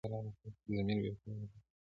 ضمير بې قراره پاتې کيږي تل,